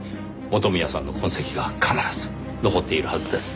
元宮さんの痕跡が必ず残っているはずです。